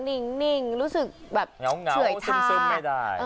นิ่งรู้สึกแบบเฉื่อยทาแถวไม่ได้อยุ่ง